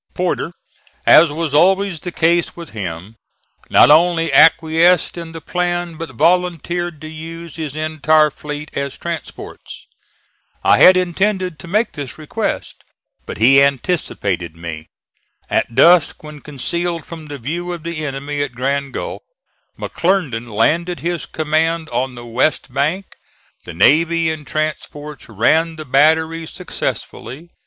Porter, as was always the case with him, not only acquiesced in the plan, but volunteered to use his entire fleet as transports. I had intended to make this request, but he anticipated me. At dusk, when concealed from the view of the enemy at Grand Gulf, McClernand landed his command on the west bank. The navy and transports ran the batteries successfully.